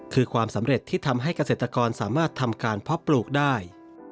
คือความสำเร็จที่ทำให้เกษตรกรสามารถทำการเพาะปลูกได้